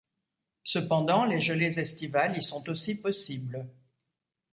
Cependant, les gelées estivales y sont aussi possibles.